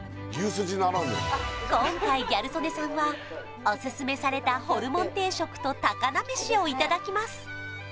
今回ギャル曽根さんはオススメされたホルモン定食とたかなめしをいただきます